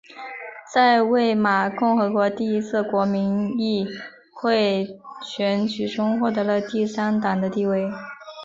在魏玛共和国第一次国民议会选举中获得了第三党的地位。